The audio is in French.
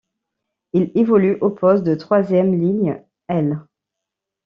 Il évolue au poste de troisième ligne aile.